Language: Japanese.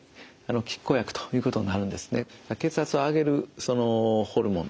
血圧を上げるホルモン